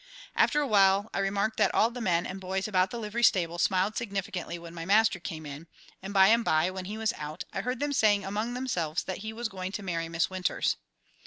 After a while I remarked that all the men and boys about the livery stable smiled significantly when my master came in; and by and by, when he was out, I heard them saying among themselves that he was going to marry Miss Winters.